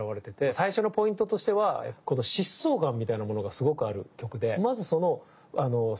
最初のポイントとしてはこの疾走感みたいなものがすごくある曲でまずそのあのスピード感が出る